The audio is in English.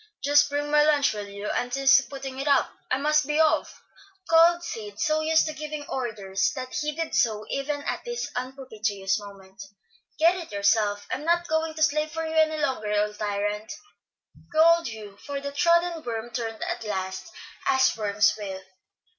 "Just bring my lunch, will you? Auntie is putting it up; I must be off," called Sid, so used to giving orders that he did so even at this unpropitious moment. "Get it yourself. I'm not going to slave for you any longer, old tyrant," growled Hugh; for the trodden worm turned at last, as worms will.